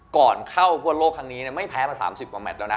ก่อนเข้าฟุตบอลโลกครั้งนี้ไม่แพ้มา๓๐กว่าแมทแล้วนะ